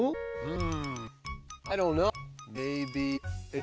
うん！